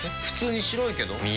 普通に白いけど。